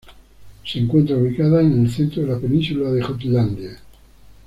Se encuentra ubicada en el centro de la península de Jutlandia.